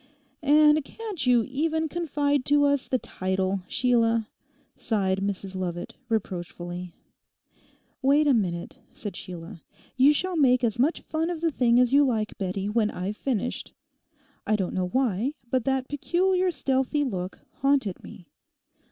'And can't you even confide to us the title, Sheila?' sighed Mrs Lovat reproachfully. 'Wait a minute,' said Sheila; 'you shall make as much fun of the thing as you like, Bettie, when I've finished. I don't know why, but that peculiar, stealthy look haunted me.